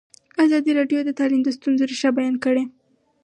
ازادي راډیو د تعلیم د ستونزو رېښه بیان کړې.